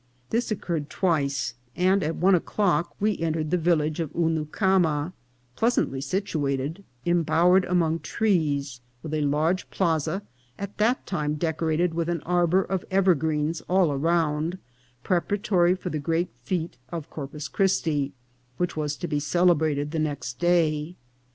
This occurred twice ; and at one o'clock we entered the village of Hunucama, pleasantly situated, imbowered among trees, with a large plaza, at that time decorated with an arbour of evergreens all around, preparatory to the great fete of Corpus Christi, which was to be celebrated the next day.